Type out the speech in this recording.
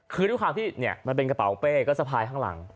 คือทุกคราวที่เนี่ยมันเป็นกระเป๋าเป้ก็สะพายข้างหลัง